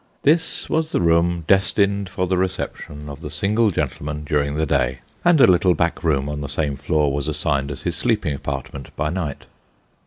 This was the room destined for the reception of the single gentle man during the day, and a little back room on the same floor was assigned as his sleeping apartment by night.